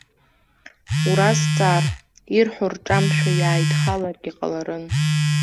Уразҵаар, ирҳәо рҿамшәо иааидхаларгьы ҟаларын.